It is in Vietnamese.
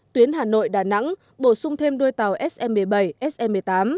tuyến hà nội đà nẵng bổ sung thêm đôi tàu sm một mươi bảy sm một mươi tám